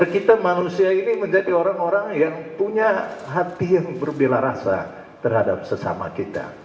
kita manusia ini menjadi orang orang yang punya hati yang berbela rasa terhadap sesama kita